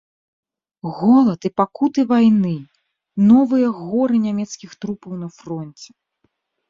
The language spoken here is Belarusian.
Голад і пакуты вайны, новыя горы нямецкіх трупаў на фронце!